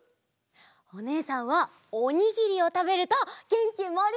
おねえさんはおにぎりをたべるとげんきもりもりになるよ！